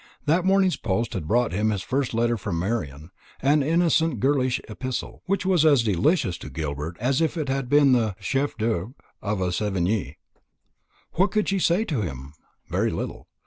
That morning's post had brought him his first letter from Marian an innocent girlish epistle, which was as delicious to Gilbert as if it had been the chef d'oeuvre of a Sevigné. What could she say to him? Very little.